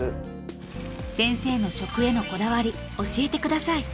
先生の色へのこだわり教えてください。